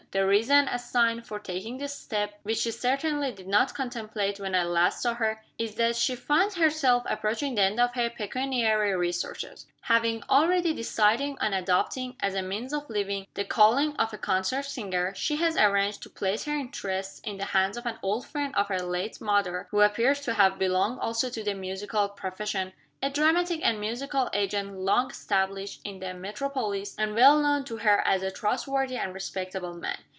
The reason assigned for taking this step which she certainly did not contemplate when I last saw her is that she finds herself approaching the end of her pecuniary resources. Having already decided on adopting, as a means of living, the calling of a concert singer, she has arranged to place her interests in the hands of an old friend of her late mother (who appears to have belonged also to the musical profession): a dramatic and musical agent long established in the metropolis, and well known to her as a trustworthy and respectable man.